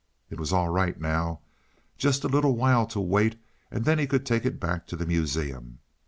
It was all right now; just a little while to wait, and then he could take it back to the Museum.